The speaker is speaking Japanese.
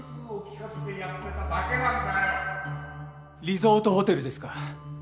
リゾートホテルですか？